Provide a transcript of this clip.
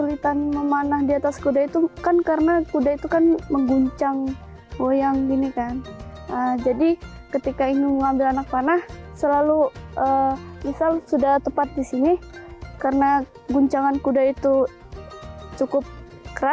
ini mana ini karena kan nggak boleh melihat panah panah ataupun kuifer